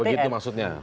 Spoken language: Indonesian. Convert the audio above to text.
tidak begitu maksudnya